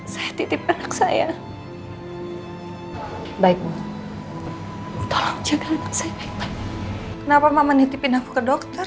saya titip anak saya baik baiknya hai tolong jaga saya kenapa mama menitipin aku ke dokter